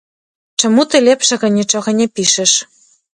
Чаму ты лепшага нічога не пішаш?